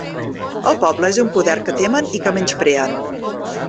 El poble és un poder que temen i que menyspreen.